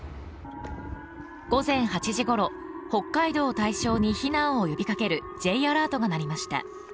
午前８時ごろ、北海道を対象に避難を呼びかけるＪアラートが鳴りました。